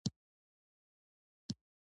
او د رياضي سائنس او فارسي ژبې مضامين ئې ښودل